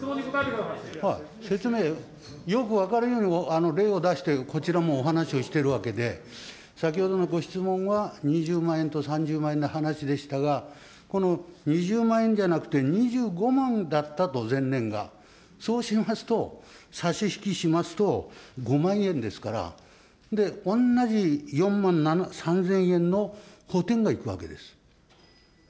はい、説明、よく分かるように例を出して、こちらもお話をしてるわけで、先ほどのご質問は２０万円と３０万円の話でしたが、この２０万円じゃなくて、２５万だったと前年が、そうしますと、差し引きしますと、５万円ですから、同じ４万３０００円の補填がいくわけです。